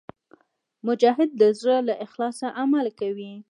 مجاهد د زړه له اخلاصه عمل کوي.